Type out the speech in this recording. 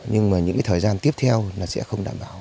nhưng mà những cái thời gian tiếp theo là sẽ không đảm bảo